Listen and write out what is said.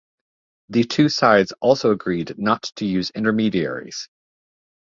The two sides also agreed not to use intermediaries.